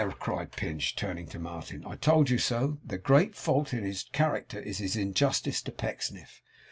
cried Pinch, turning to Martin, 'I told you so. The great fault in his character is his injustice to Pecksniff.